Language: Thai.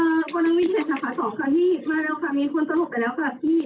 เอ่อคนละมีเหตุผลักษณ์ค่ะ๒คนพี่มาแล้วค่ะมีคนตกหลบไปแล้วก่อนพี่